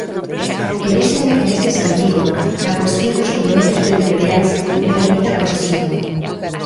E déixeme que neste sentido, na cuestión dos suplementos territoriais, me permita corrixilo.